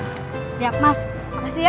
siap mas makasih ya